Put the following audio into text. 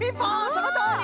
そのとおり！